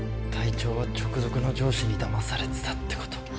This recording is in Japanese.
隊長は直属の上司にだまされてたってこと？